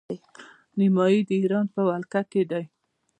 نیمايي د ایران په ولکه کې دی.